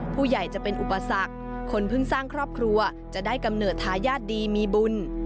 จะเป็นอุปสรรคคนเพิ่งสร้างครอบครัวจะได้กำเนิดทายาทดีมีบุญ